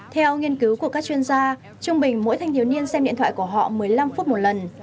theo nghiên cứu của các chuyên gia trung bình mỗi thanh thiếu niên xem điện thoại của họ một mươi năm phút một lần